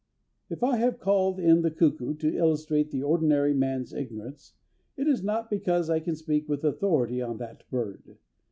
If I have called in the cuckoo to illustrate the ordinary man's ignorance, it is not because I can speak with authority on that bird.